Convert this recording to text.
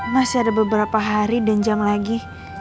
masih ada beberapa hari dan jam lagi